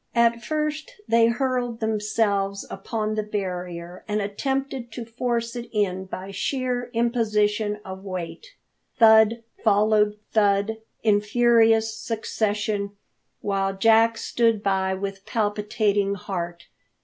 At first they hurled themselves upon the barrier and attempted to force it in by sheer imposition of weight. Thud followed thud in furious succession, while Jack stood by with palpitating heart.